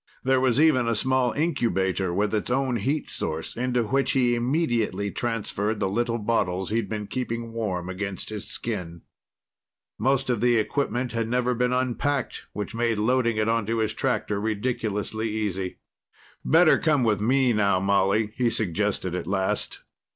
There was even a small incubator with its own heat source into which he immediately transferred the little bottles he'd been keeping warm against his skin. Most of the equipment had never been unpacked, which made loading it onto his tractor ridiculously easy. "Better come with me now, Molly," he suggested at last.